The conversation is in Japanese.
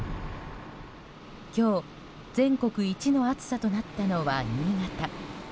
今日、全国一の暑さとなったのは新潟。